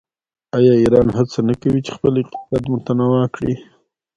آیا ایران هڅه نه کوي چې خپل اقتصاد متنوع کړي؟